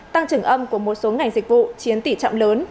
tăng trưởng âm của một số ngành dịch vụ chiến tỉ trọng lớn